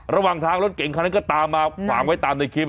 ระหว่างทางรถเก่งคันนั้นก็ตามมาขวางไว้ตามในคลิป